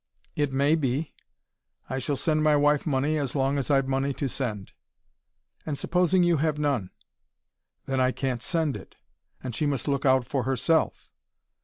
"It may be. I shall send my wife money as long as I've money to send." "And supposing you have none?" "Then I can't send it and she must look out for herself."